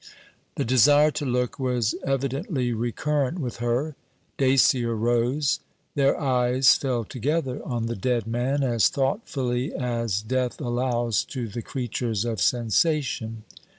The desire to look was evidently recurrent with her. Dacier rose. Their eyes fell together on the dead man, as thoughtfully as Death allows to the creatures of sensation.